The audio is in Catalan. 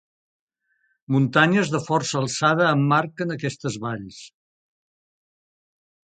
Muntanyes de força alçada emmarquen aquestes valls.